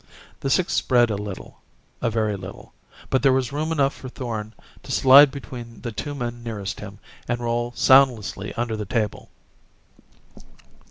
The six spread a little. A very little. But there was room enough for Thorn to slide between the two men nearest him and roll soundlessly under the table.